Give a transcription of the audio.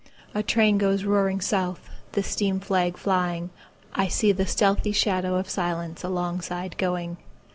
A train goes roaring south, The steam flag flying;I see the stealthy shadow of silenceAlongside going.